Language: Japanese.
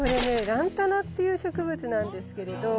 ランタナっていう植物なんですけれど。